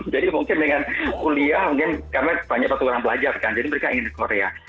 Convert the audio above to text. jadi mungkin dengan kuliah mungkin karena banyak orang pelajar kan jadi mereka ingin ke korea